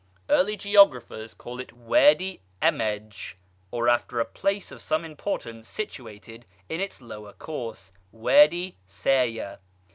Early geographers call it Wady Amaj, or after a place of some importance situated in its lower course, Wady Saya.